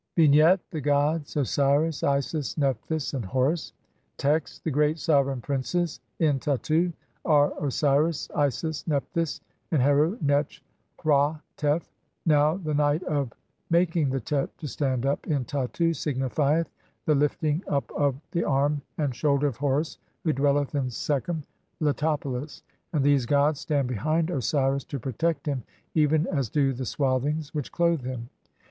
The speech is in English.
B. Vignette : The gods Osiris, Isis, Nephthys, and Horus. Text : (1) The great sovereign princes in Tattu are Osiris, Isis, Nephthys, and Heru netch hra tef. 1 Now the [night of] of making the Tet to stand up (2) in Tattu signifieth [the lifting up of] the arm and shoulder of Horus who dwelleth in Sekhem (Letopolis) ; and these gods stand behind Osiris [to protect him] even as do the swathings which clothe him (3).